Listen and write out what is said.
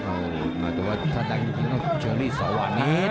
ออหมายถึงว่าถ้าดังก็ต้องว่าเชอรี่สวรรค์นิด